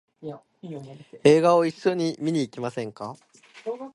映画を一緒に見に行きませんか？